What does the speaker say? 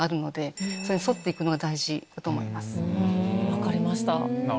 分かりました。